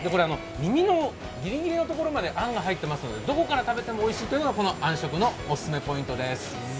耳のギリギリのところまであんこが入っているのでどこから食べてもおいしいのがこのあん食のオススメポイントです。